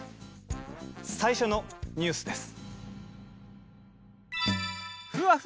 最初のニュースです。